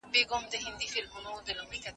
او نن بیا په نوې بڼه تکرارېږي.